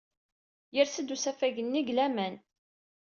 Yers-d usafag-nni deg laman.